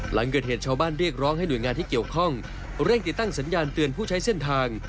หลังเกิดเหตุชาวบ้านเรียกร้องให้หน่วยงานที่เกี่ยวข้องเร่งติดตั้งสัญญาณเตือนผู้ใช้เส้นทาง